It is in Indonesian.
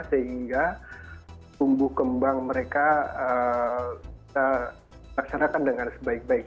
sehingga tumbuh kembang mereka laksanakan dengan sebaik baik